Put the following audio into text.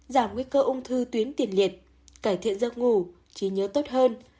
giảm nguy cơ ung thư tuyến tiền liệt cải thiện giấc ngủ trí nhớ tốt hơn